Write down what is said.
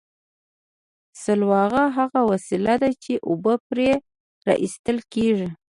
سلواغه هغه وسیله ده چې اوبه پرې را ایستل کیږي